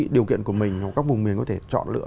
điều kiện của mình hoặc các vùng miền có thể chọn lựa